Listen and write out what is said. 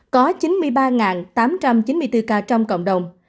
có chín mươi ba tám trăm chín mươi bốn ca trong cộng đồng